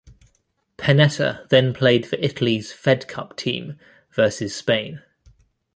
Pennetta then played for Italy's Fed Cup team versus Spain.